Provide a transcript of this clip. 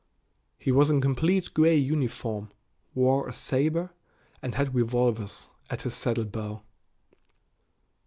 He was in complete gray uniform, wore a saber, and had revolvers at his saddle bow.